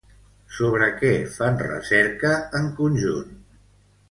Sobre què fan recerca en conjunt?